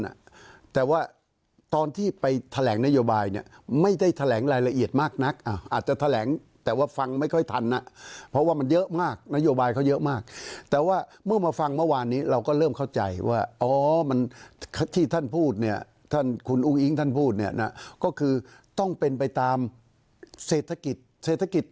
น่ะแต่ว่าตอนที่ไปแถลงนโยบายเนี่ยไม่ได้แถลงรายละเอียดมากนักอ่ะอาจจะแถลงแต่ว่าฟังไม่ค่อยทันนะเพราะว่ามันเยอะมากนโยบายเขาเยอะมากแต่ว่าเมื่อมาฟังเมื่อวานนี้เราก็เริ่มเข้าใจว่าอ๋อมันที่ท่านพูดเนี่ยท่านคุณอุ้งอิ๊งท่านพูดเนี่ยนะก็คือต้องเป็นไปตามเศรษฐกิจเศรษฐกิจ